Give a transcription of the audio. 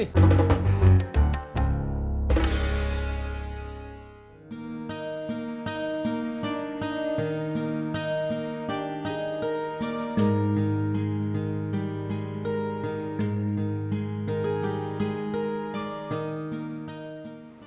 sampai jumpa lagi